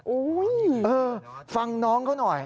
ฟังน้องเขาหน่อย